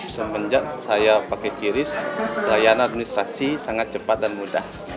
semenjak saya pakai kiris layanan administrasi sangat cepat dan mudah